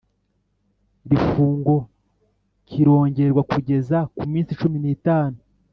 Iifungo kirongerwa kugeza ku minsi cumi n’itanu